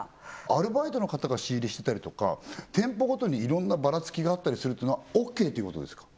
アルバイトの方が仕入れしてたりとか店舗ごとにいろんなバラつきがあったりするというのはオッケーということですか？